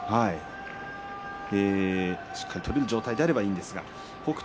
しっかり取れる状態であればいいんですが北勝